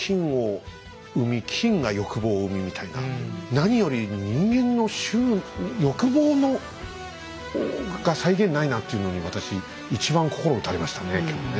何より人間の欲望が際限ないなっていうのに私一番心打たれましたね今日ね。